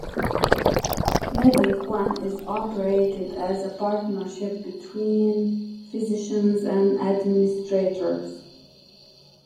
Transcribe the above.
Medic One is operated as a partnership between physicians and administrators.